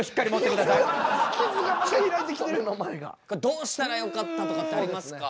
どうしたらよかったとかってありますか？